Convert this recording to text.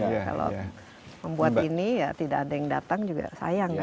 kalau membuat ini ya tidak ada yang datang juga sayang kan